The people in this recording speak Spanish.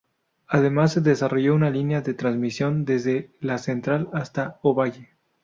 Además se desarrolló una línea de transmisión desde la central hasta Ovalle.